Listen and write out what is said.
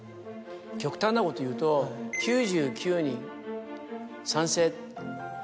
極端なこと言うと９９人賛成。